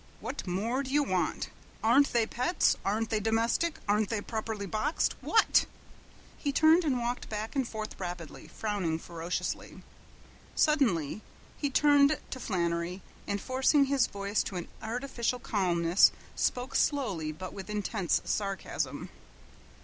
"What more do you want? Aren't they pets? Aren't they domestic? Aren't they properly boxed? What?" He turned and walked back and forth rapidly; frowning ferociously. Suddenly he turned to Flannery, and forcing his voice to an artificial calmness spoke slowly but with intense sarcasm.